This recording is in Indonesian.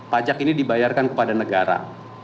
pajak ini dibayarkan kepada negara